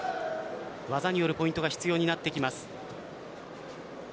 技によるポイントが必要になってきます。